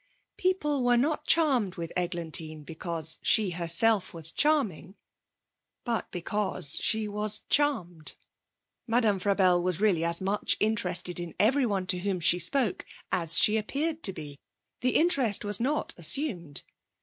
People were not charmed with Eglantine because she herself was charming, but because she was charmed. Madame Frabelle was really as much interested in everyone to whom she spoke as she appeared to be; the interest was not assumed.